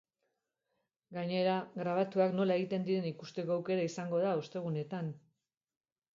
Gainera, grabatuak nola egiten diren ikusteko aukera izango da ostegunetan.